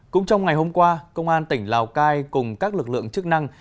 cũng trong ngày hôm qua công an tỉnh lào cai cùng các lực lượng chức năng